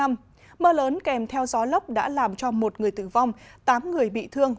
mưa lớn kèm theo gió lốc đã làm cho một người tử vong tám người bị thương